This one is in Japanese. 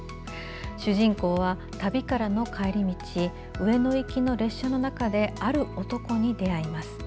主人公は旅からの帰り道上野行きの列車の中である男に出会います。